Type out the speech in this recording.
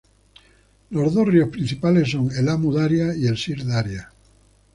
Los dos ríos principales son el Amu Daria y el Sir Daria.